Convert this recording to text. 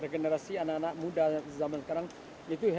generasi anak anak muda zaman sekarang itu